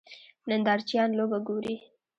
نندارچیان لوبه ګوري.